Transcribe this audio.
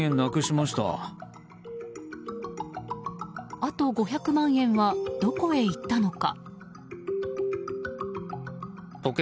あと５００万円はどこへいったのか。